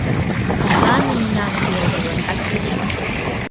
Тудлан мемнан рвезе-влакат полшат.